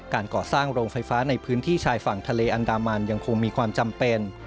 ก่อสร้างโรงไฟฟ้าในพื้นที่ชายฝั่งทะเลอันดามันยังคงมีความจำเป็น